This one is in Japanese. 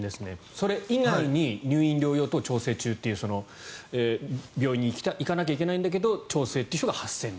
それ以外に入院・療養等調整中という方が病院に行かなきゃいけないんだけど調整中という人が８０００人。